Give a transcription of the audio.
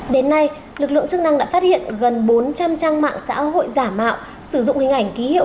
đến nay lực lượng chức năng đã phát hiện gần bốn trăm linh trang mạng xã hội giả mạo sử dụng hình ảnh ký hiệu